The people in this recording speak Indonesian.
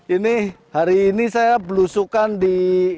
ini hari ini saya belusukan di